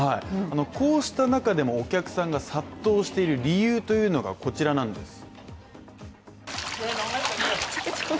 こうした中でもお客さんが殺到している理由がこちらなんです。